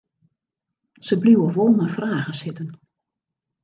Se bliuwe wol mei fragen sitten.